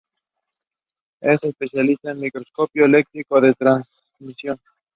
Es especialista de microscopio electrónico de transmisión.